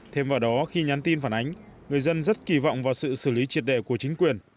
thêm vào đó khi nhắn tin phản ánh người dân rất kỳ vọng vào sự xử lý triệt đệ của chính quyền